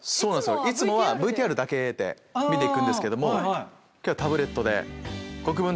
いつもはＶＴＲだけで見て行くんですけども今日はタブレットで。